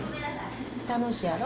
楽しいやろ？